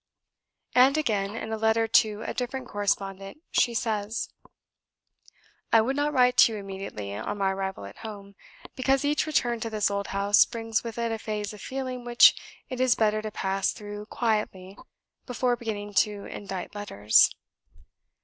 And again, in a letter to a different correspondent, she says: "I would not write to you immediately on my arrival at home, because each return to this old house brings with it a phase of feeling which it is better to pass through quietly before beginning to indite letters.